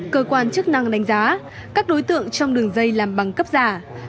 cơ quan chức năng đánh giá các đối tượng trong đường dây làm bằng cấp giả